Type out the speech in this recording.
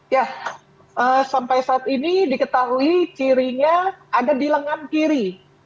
ya sampai saat ini diketahui cirinya ada di lengan kiri